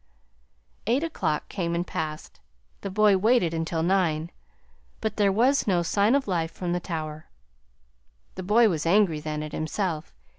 "Eight o'clock came and passed. The boy waited until nine, but there was no sign of life from the tower. The boy was angry then, at himself.